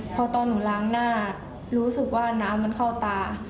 พอตอนหนูล้างหน้ารู้สึกว่าน้ำมันเข้าตา